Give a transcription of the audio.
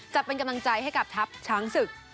จะเป็นกำลังใจให้กับทัพช้างศึก